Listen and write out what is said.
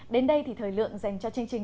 đến đây thì thời lượng dành cho chương trình